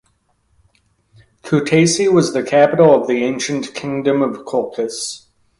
Kutaisi was the capital of the ancient Kingdom of Colchis.